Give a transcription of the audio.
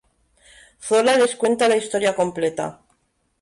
Zola les cuenta la historia completa.